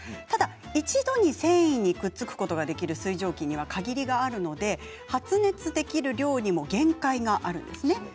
ただ一度に繊維にくっつくことができる水蒸気には限りがありますので発熱できる量にも限界があります。